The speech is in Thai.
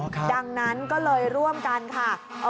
ดังนั้นก็เลยร่วมกันค่ะ